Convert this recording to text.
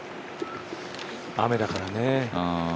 雨だからね。